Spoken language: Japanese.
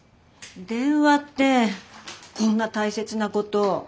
電話ってこんな大切なこと。